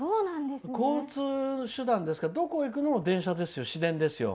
交通手段ですからどこに行くにも電車、市電ですよ。